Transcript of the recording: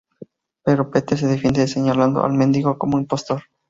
Pero Pete se defiende señalando al mendigo como un impostor.